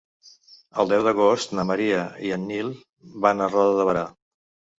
El deu d'agost na Maria i en Nil van a Roda de Berà.